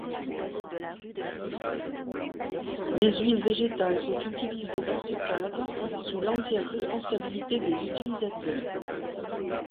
Les huiles végétales sont utilisées dans ce cadre sous l'entière responsabilité des utilisateurs.